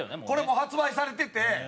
これもう発売されてて。